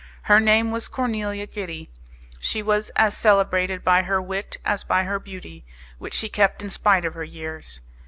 Her name was Cornelia Gitti; she was as celebrated by her wit as by her beauty, which she kept in spite of her years.